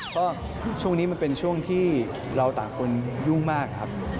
ก็ช่วงนี้มันเป็นช่วงที่เราต่างคนยุ่งมากครับ